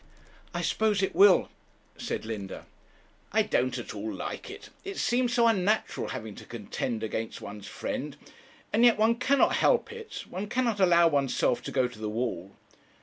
'I suppose it will,' said Linda. 'I don't at all like it; it seems so unnatural having to contend against one's friend. And yet one cannot help it; one cannot allow one's self to go to the wall.'